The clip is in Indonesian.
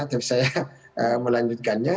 tapi saya melanjutkannya